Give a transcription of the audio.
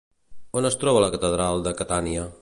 On es troba la catedral de Catània?